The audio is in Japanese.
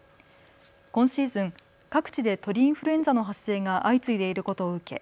今シーズン、各地で鳥インフルエンザの発生が相次いでいることを受け